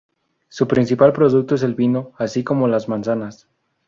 Su principal producto es el vino, así como las manzanas.